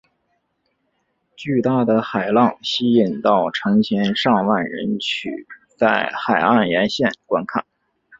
巨大的海浪吸引到成千上万人取在海岸沿线观看。